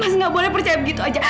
mas tidak boleh percaya begitu saja